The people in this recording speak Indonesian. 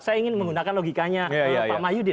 saya ingin menggunakan logikanya pak mahyudin